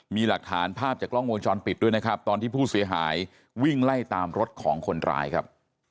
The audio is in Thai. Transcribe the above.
มีหลักฐานภาพจากกล้องวงจรปิดด้วยนะครับตอนที่ผู้เสียหายวิ่งไล่ตามรถของคนร้ายครับ